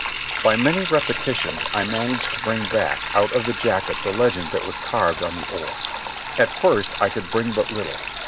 By many repetitions, I managed to bring back out of the jacket the legend that was carved on the oar. At first I could bring but little.